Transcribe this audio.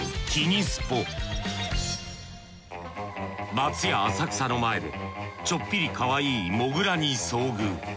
松屋浅草の前でちょっぴりかわいいモグラに遭遇。